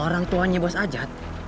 orang tuanya bos ajat